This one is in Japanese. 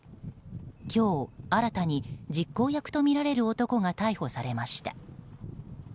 今日新たに実行役とみられる男が逮捕されました。